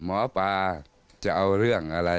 หมอปลาจะเอาเรื่องอะไร